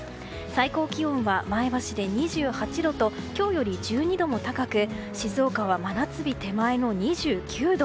最高気温は前橋で２８度と今日より１２度も高く静岡は真夏日手前の２９度。